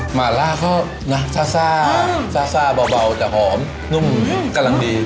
หมาล่าเขานะซ่าซ่าเบาแต่หอมนุ่มกำลังดี